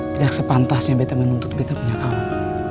tidak sepantasnya beta menuntut beta punya kawan